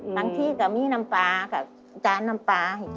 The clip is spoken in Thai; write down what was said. ทั้งที่ก็มีน้ำปลากับจานน้ำปลาให้กินค่ะ